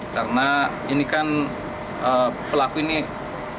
karena ini kan pelaku ini anak masih di bawah usia